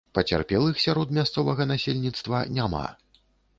Пацярпелых сярод мясцовага насельніцтва няма.